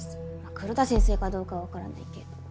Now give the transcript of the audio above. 黒田先生かどうかは分からないけど。